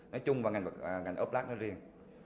nói chung và ngành ớt lát riêng